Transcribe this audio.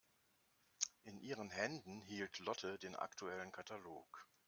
In ihren Händen hielt Lotte den aktuellen Katalog.